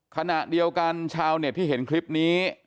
ขณะเดียวกันชาวเน็ตที่เห็นคลิปนี้